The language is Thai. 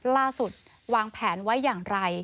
ล่าสุดวางแผนไว้อย่างไร